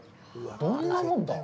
どんなもんだ。